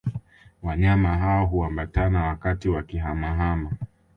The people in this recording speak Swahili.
Wanyama hao huambatana wakati wa kihama hama